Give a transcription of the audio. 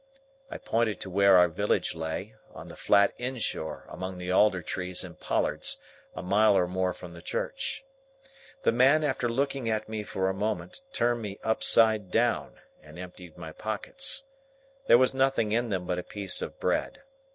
I pointed to where our village lay, on the flat in shore among the alder trees and pollards, a mile or more from the church. The man, after looking at me for a moment, turned me upside down, and emptied my pockets. There was nothing in them but a piece of bread.